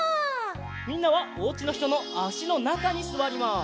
みんなはおうちのひとのあしのなかにすわります。